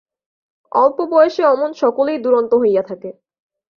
অল্প বয়সে অমন সকলেই দুরন্ত হইয়া থাকে।